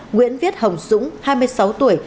nguyễn viết hồng dũng hai mươi sáu tuổi